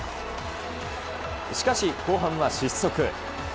しかし、後半は失速。